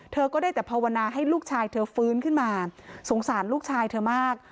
เธอก็ได้แต่ภาวนาให้ลูกชายเธอฟื้นขึ้นมาสงสารลูกชายเธอมาก